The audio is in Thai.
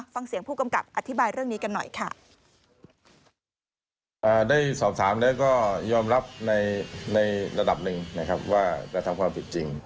ได้สอบคำถามแล้วยอมรับในระดับหนึ่งว่ากระทำผัวการผิดจริง